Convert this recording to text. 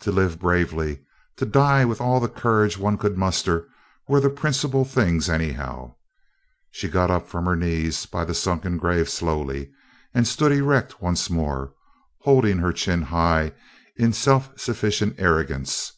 To live bravely, to die with all the courage one could muster, were the principal things anyhow. She got up from her knees by the sunken grave slowly and stood erect once more, holding her chin high in self sufficient arrogance.